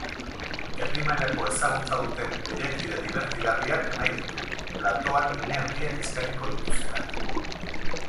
Erdi-mailako ezagutza duten lehiakide dibertigarriak nahi ditu, platoan une handiak eskainiko dituztenak.